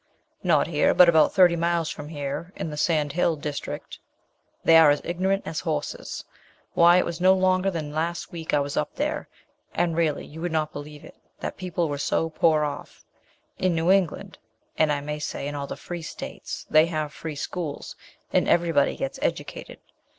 "Not here, but about thirty miles from here, in the Sand Hill district; they are as ignorant as horses. Why it was no longer than last week I was up there, and really you would not believe it, that people were so poor off. In New England, and, I may say, in all the free states, they have free schools, and everybody gets educated.